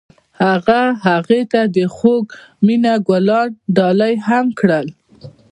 هغه هغې ته د خوږ مینه ګلان ډالۍ هم کړل.